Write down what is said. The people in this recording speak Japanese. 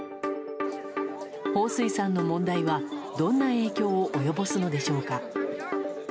ホウ・スイさんの問題はどんな影響を及ぼすのでしょうか。